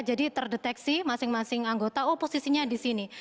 jadi terdeteksi masing masing anggota oh posisinya di sini